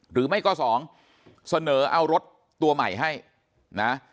หรือไม่ก็สองเสนอเอารถตัวใหม่ให้นะ